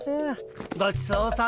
ごちそうさま。